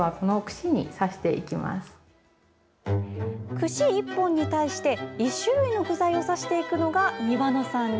串１本に対して１種類の具材を刺していくのが庭乃さん流。